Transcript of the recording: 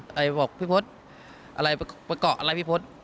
ใครจะบอกพี่พศอะไรไปเกาะอะไรพี่พศ